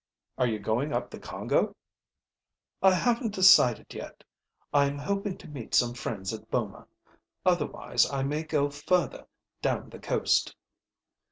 "Are you going up the Congo?" "I haven't decided yet. I am hoping to meet some friends at Boma. Otherwise I may go further down the coast."